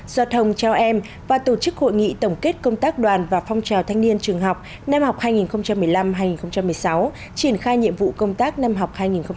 do thông trao em và tổ chức hội nghị tổng kết công tác đoàn và phong trào thanh niên trường học năm học hai nghìn một mươi năm hai nghìn một mươi sáu triển khai nhiệm vụ công tác năm học hai nghìn hai mươi hai nghìn hai mươi